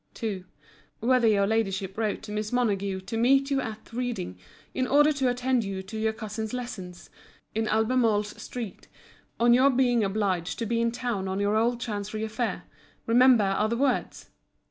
2. Whether your ladyship wrote to Miss Montague to meet you at Reading, in order to attend you to your cousin Leeson's, in Albemarle street; on your being obliged to be in town on your old chancery affair, I remember are the words?